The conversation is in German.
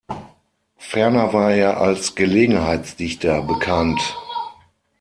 Ferner war er als Gelegenheitsdichter bekannt.